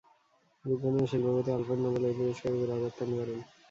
বিজ্ঞানী ও শিল্পপতি আলফ্রেড নোবেল এই পুরস্কারের গোড়াপত্তন করেন।